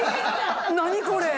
何これ？